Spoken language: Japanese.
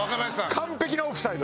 完璧なオフサイド。